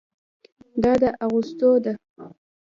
دا د اغوستلو ده.